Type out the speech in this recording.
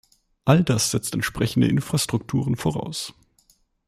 All das setzt entsprechende Infrastrukturen voraus.